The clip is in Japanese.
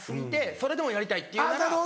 それでもやりたいって言うなら。